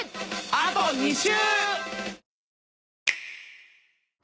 あと２週！